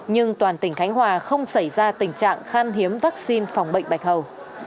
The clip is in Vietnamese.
nhưng toàn tỉnh khánh hòa không xảy ra tình trạng khan hiếm vaccine phòng bệnh bạch hầu